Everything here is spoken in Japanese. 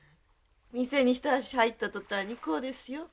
店に一足入った途端にこうですよ。